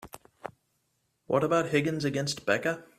What about Higgins against Becca?